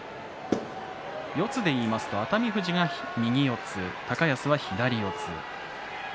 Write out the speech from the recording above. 四つで言いますと熱海富士が右四つ、高安は左四つ。